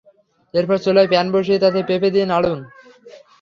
এরপর চুলায় প্যান বসিয়ে তাতে পেঁপে দিয়ে নাড়ুন।